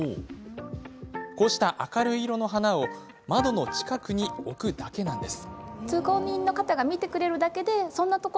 こうした明るい色の花を窓の近くに置くだけなんです。